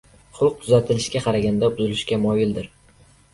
Xulq tuzatilishga qaraganda buzilishga moyilroq.